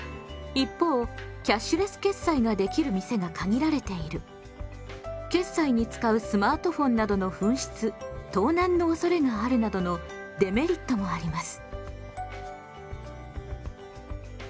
一方キャッシュレス決済ができる店が限られている決済に使うスマートフォンなどの紛失・盗難の恐れがあるなどのデメリットもあります。